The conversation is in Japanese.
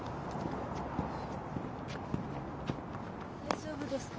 大丈夫ですか？